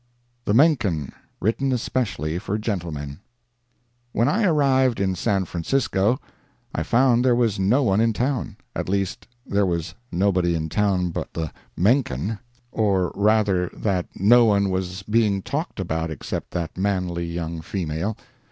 THE MENKEN—WRITTEN ESPECIALLY FOR GENTLEMEN When I arrived in San Francisco, I found there was no one in town—at least there was no body in town but "the Menken"—or rather, that no one was being talked about except that manly young female.